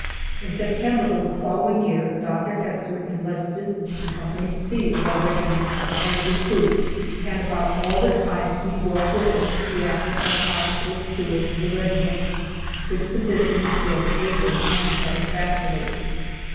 (In September of the following year Dr. Hesser enlisted in Co. C of our regiment as a recruit, and about all the time he was with us acted as hospital steward of the regiment, which position he filled ably and satisfactorily.)